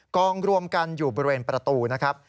กองรวมกันอยู่บริเวณประตูนะครับ